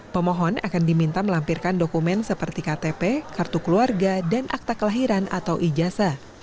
pemohon akan diminta melampirkan dokumen seperti ktp kartu keluarga dan akta kelahiran atau ijasa